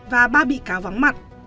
và ba bị cáo vắng mặt